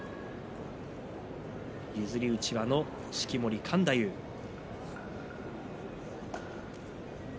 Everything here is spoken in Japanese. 譲りうちわの式守勘太夫です。